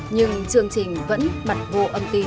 nhưng chương trình vẫn mặt vô âm tín